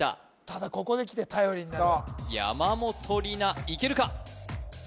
ただここで来て頼りになる山本里菜いけるか？